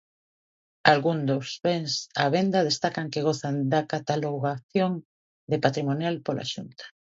Algún dos bens á venda destacan que gozan da catalogación de patrimonial pola Xunta.